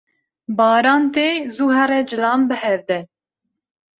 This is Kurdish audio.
Baran tê zû here cilan bihevde.